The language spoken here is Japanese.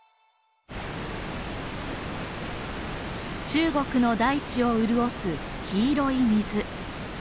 中国の大地を潤す黄色い水。